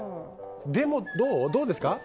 でも、どうですか？